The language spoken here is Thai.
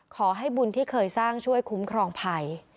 ขอให้บุญที่เคยสร้างช่วยคุ้มครองภัย